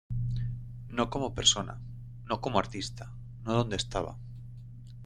No como persona, no como artista, no donde estaba.